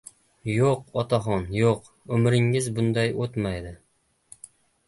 — Yo‘q, otaxon, yo‘q! Umringiz bunday o‘tmaydi!